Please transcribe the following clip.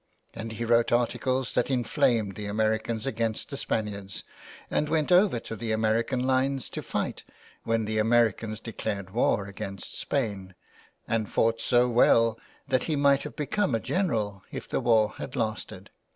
And he wrote articles that inflamed the Americans against the Spaniards, and went over to the American lines to fight when the Americans declared war against Spain, and fought so well that he might 302 THE WILD GOOSE. have become a general if the war had lasted.